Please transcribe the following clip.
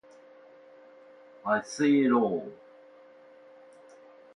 I see it all!